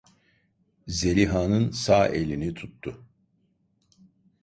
Zeliha'nın sağ elini tuttu.